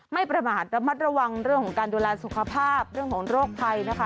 ไม่ประมาทระมัดระวังเรื่องของการดูแลสุขภาพเรื่องของโรคภัยนะคะ